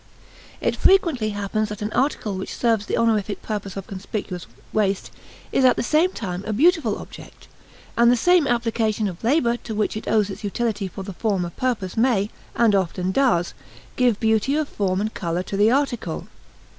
It frequently happens that an article which serves the honorific purpose of conspicuous waste is at the same time a beautiful object; and the same application of labor to which it owes its utility for the former purpose may, and often does, give beauty of form and color to the article.